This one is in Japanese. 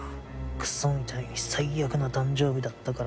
クソみたいに最悪な誕生日だったからな。